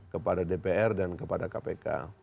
kepada dpr dan kepada kpk